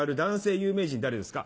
有名人誰ですか？